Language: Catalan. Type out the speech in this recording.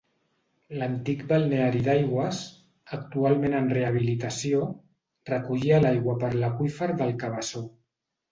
L'antic balneari d'Aigües, actualment en rehabilitació, recollia l'aigua per l'aqüífer del Cabeçó.